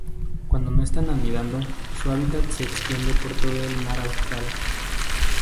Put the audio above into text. Cuando no están anidando, su hábitat se extiende por todo el mar austral.